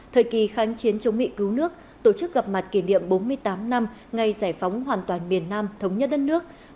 thời kỳ kháng chiến chống mỹ cứu nước tổ chức gặp mặt kỷ niệm bốn mươi tám năm ngày giải phóng hoàn toàn miền nam thống nhất đất nước